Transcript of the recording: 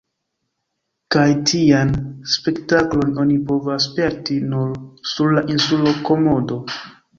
Kaj tian spektaklon oni povas sperti nur sur la insulo Komodo.